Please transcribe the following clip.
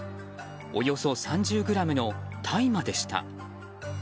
およそ３０ｇの大麻でした。